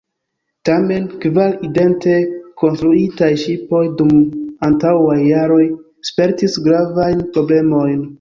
Tamen, kvar idente konstruitaj ŝipoj dum antaŭaj jaroj spertis gravajn problemojn.